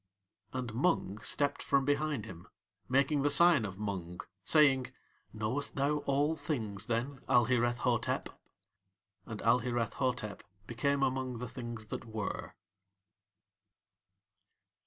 And Mung stepped from behind him, making the sign of Mung, saying: "Knowest thou All Things, then, Alhireth Hotep?" And Alhireth Hotep became among the Things that Were.